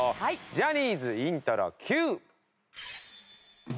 ジャニーズイントロＱ！